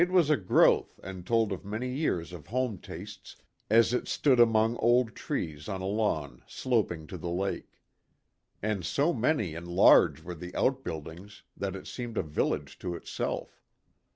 was a growth and told of many years of home tastes as it stood among old trees on a lawn sloping to the lake. And so many and large were the out buildings that it seemed a village to itself.